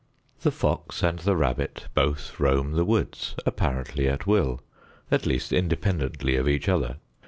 The fox and the rabbit both roam the woods, apparently at will, at least independently of each other.